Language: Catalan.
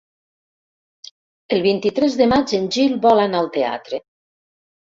El vint-i-tres de maig en Gil vol anar al teatre.